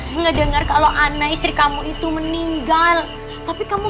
patutlah monday pasorder bhw ushi bunda mesti buat itu